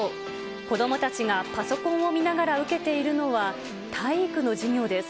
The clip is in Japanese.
子どもたちがパソコンを見ながら受けているのは、体育の授業です。